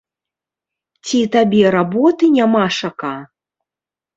Ці табе работы нямашака?!